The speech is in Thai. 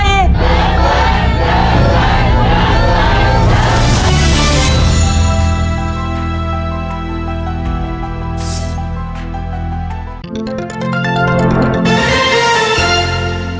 เยอะแว่น